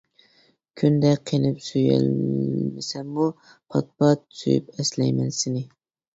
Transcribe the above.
كۈندە قېنىپ سۆيەلمىسەممۇ، پات-پات سۆيۈپ ئەسلەيمەن سېنى.